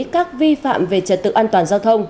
các vi phạm về trật tự an toàn giao thông